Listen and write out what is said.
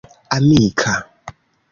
amika